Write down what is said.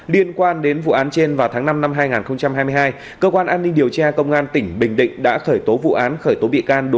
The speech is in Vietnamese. liên quan đến vụ án trên vào tháng năm năm hai nghìn hai mươi hai cơ quan an ninh điều tra công an tỉnh bình định đã khởi tố vụ án khởi tố bị can